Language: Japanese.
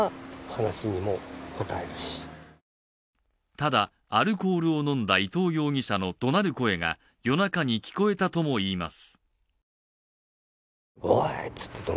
ただ、アルコールを飲んだ伊藤容疑者のどなる声が夜中に聞こえたともいいます。